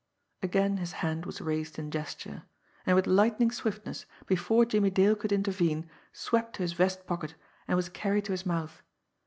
Again his hand was raised in gesture and with lightning swiftness, before Jimmie Dale could intervene, swept to his vest pocket and was carried to his mouth.